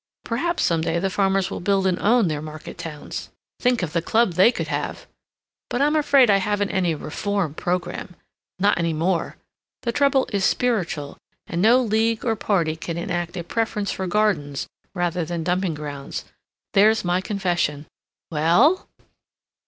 Perhaps some day the farmers will build and own their market towns. (Think of the club they could have!) But I'm afraid I haven't any 'reform program.' Not any more! The trouble is spiritual, and no League or Party can enact a preference for gardens rather than dumping grounds. ... There's my confession. WELL?"